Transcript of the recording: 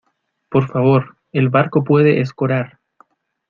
por favor. el barco puede escorar